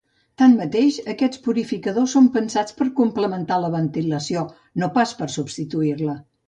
Tanmateix, aquests purificadors són pensats per complementar la ventilació, no pas per substituir-la.